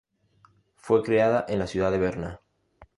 Fue creada en la ciudad de Berna.